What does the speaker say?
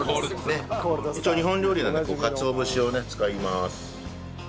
一応日本料理なのでかつお節をね使います。